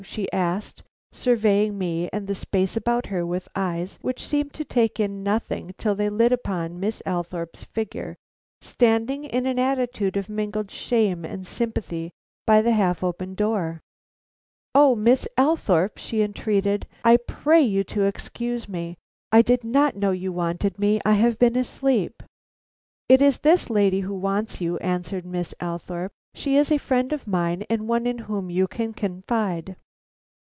she asked, surveying me and the space about her with eyes which seemed to take in nothing till they lit upon Miss Althorpe's figure standing in an attitude of mingled shame and sympathy by the half open door. "Oh, Miss Althorpe!" she entreated, "I pray you to excuse me. I did not know you wanted me. I have been asleep." "It is this lady who wants you," answered Miss Althorpe. "She is a friend of mine and one in whom you can confide."